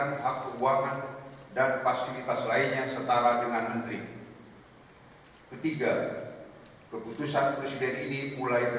lalu kebangsaan indonesia baik